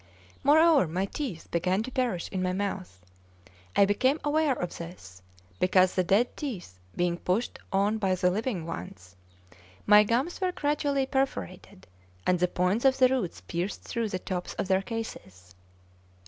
Moreover, my teeth began to perish in my mouth. I became aware of this because the dead teeth being pushed out by the living ones, my gums were gradually perforated, and the points of the roots pierced through the tops of their cases.